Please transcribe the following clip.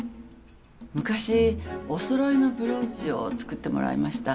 昔お揃いのブローチを作ってもらいました。